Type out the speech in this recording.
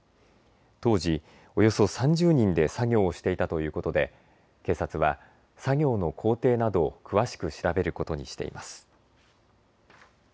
当時、およそ３０人で作業をしていたということで警察は作業の工程などを詳しく調べることにしています。